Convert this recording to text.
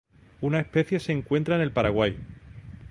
Una especie se encuentra en el Paraguay.